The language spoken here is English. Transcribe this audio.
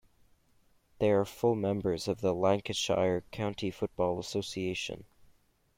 They are full members of the Lancashire County Football Association.